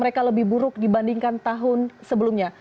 mereka lebih buruk dibandingkan tahun sebelumnya